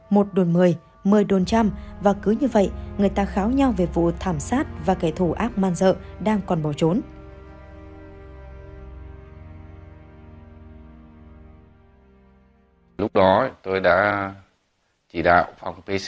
một đồn mười mười đồn trăm và cứ như vậy người ta kháo nhau về vụ thảm sát và kẻ thù ác man dợ đang còn bỏ trốn